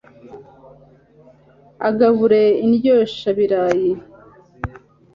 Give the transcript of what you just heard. Agabure Indyoheshabirayi